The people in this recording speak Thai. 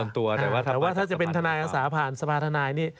แต่ว่าถ้าจะเป็นทนายอาสาผ่านสภาธนายนี่